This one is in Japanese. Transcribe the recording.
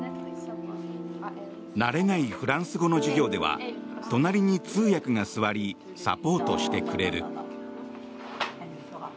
慣れないフランス語の授業では隣に通訳が座りサポートしてくれる。